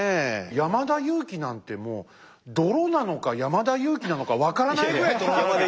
山田裕貴なんてもう泥なのか山田裕貴なのか分からないぐらい泥だらけだった。